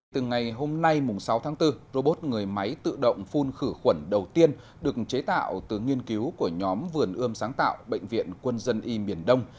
từ ngày hôm nay sáu tháng bốn robot người máy tự động phun khử khuẩn đầu tiên được chế tạo từ nghiên cứu của nhóm vườn ươm sáng tạo bệnh viện quân dân y miền đông